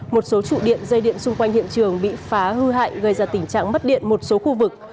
một số trụ điện dây điện xung quanh hiện trường bị phá hư hại gây ra tình trạng mất điện một số khu vực